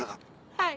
はい。